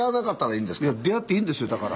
いや出会っていいんですよだから。